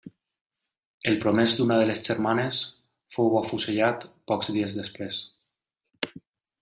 El promès d'una de les germanes fou afusellat pocs dies després.